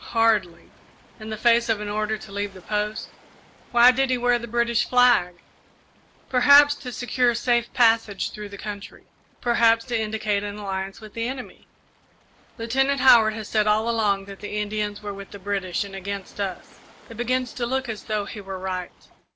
"Hardly, in the face of an order to leave the post." "Why did he wear the British flag?" "Perhaps to secure safe passage through the country; perhaps to indicate an alliance with the enemy." "Lieutenant Howard has said all along that the Indians were with the British and against us. It begins to look as though he were right."